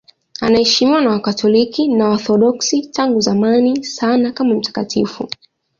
Anaheshimiwa na Wakatoliki na Waorthodoksi tangu zamani sana kama mtakatifu.